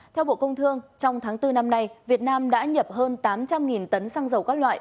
theo bộ công thương trong tháng bốn năm nay việt nam đã nhập hơn tám trăm linh tấn xăng dầu các loại